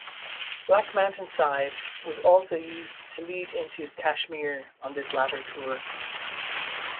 "Black Mountain Side" was also used to lead into "Kashmir" on this latter tour.